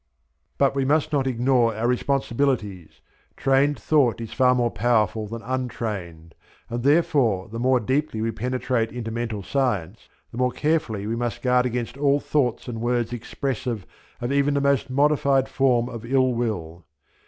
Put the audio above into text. But we must not ignore our responsibilities. Trained thought is far more powerful than untrained, and therefore the more deeply we penetrate into Mental Science the more carefully we must guard against all thoughts and words expressive of even the most modified form of ill will.